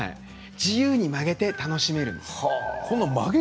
自由に曲げて楽しめる。